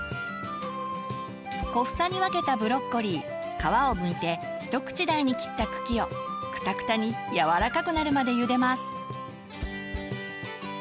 小房に分けたブロッコリー皮をむいて一口大に切った茎をくたくたに柔らかくなるまでゆでます。